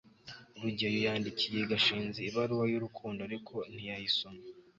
rugeyo yandikiye gashinzi ibaruwa y'urukundo, ariko ntiyayisoma